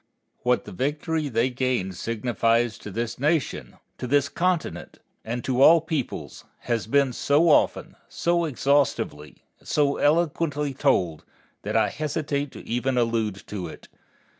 What the victory they gained signifies to this Nation, to this continent, and to all peoples, has been so often, so exhaustively, and so eloquently told, that I hesitate to even allude to it.